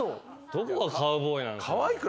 どこがカウボーイなの。